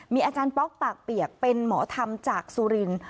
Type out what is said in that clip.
มีอาจารย์ป๊อกปากเปียกเป็นหมอธรรมจากสุรินทร์